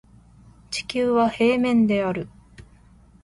地球は平面である